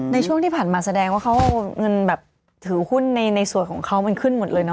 ในช่วงที่ผ่านมาแสดงว่าเขาเอาเงินแบบถือหุ้นในส่วนของเขามันขึ้นหมดเลยเนอ